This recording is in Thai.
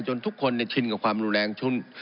ทุกคนชินกับความรุนแรง